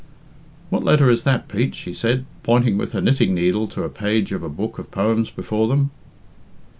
"What letter is that, Pete?" she said, pointing with her knitting needle to the page of a book of poems before them.